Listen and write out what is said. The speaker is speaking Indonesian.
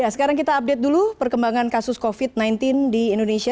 sekarang kita update dulu perkembangan kasus covid sembilan belas di indonesia